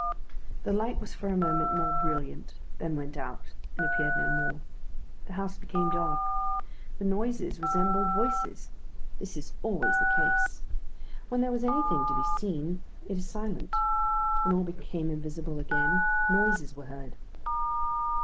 The light was for a moment more brilliant, then went out, and appeared no more. The house became dark. The noises resembled voices. This is always the case. When there was anything to be seen it is silent. When all became invisible again, noises were heard.